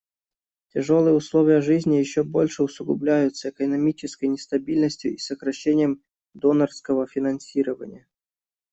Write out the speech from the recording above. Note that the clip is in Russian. Тяжелые условия жизни еще больше усугубляются экономической нестабильностью и сокращением донорского финансирования.